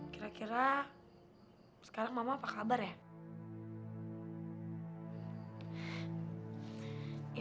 kira kira sekarang mama apa kabar ya